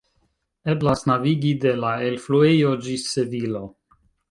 Eblas navigi de la elfluejo ĝis Sevilo.